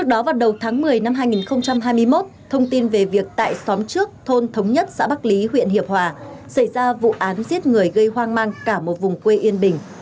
đầu tháng một mươi năm hai nghìn hai mươi một thông tin về việc tại xóm trước thôn thống nhất xã bắc lý huyện hiệp hòa xảy ra vụ án giết người gây hoang mang cả một vùng quê yên bình